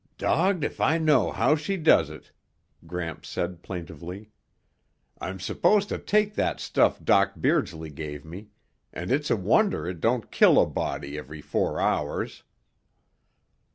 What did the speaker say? "Dogged if I know how she does it," Gramps said plaintively. "I'm supposed to take that stuff Doc Beardsley gave me, and it's a wonder it don't kill a body, every four hours.